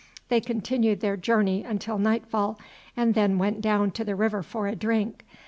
They continued their journey until nightfall, and then went down to the river for a drink.